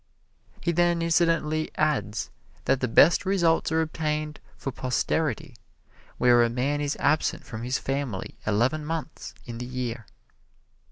He then incidentally adds that the best results are obtained for posterity where a man is absent from his family eleven months in the year.